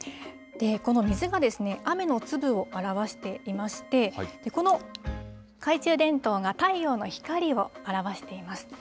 この水が雨の粒を表していまして、この懐中電灯が太陽の光を表しています。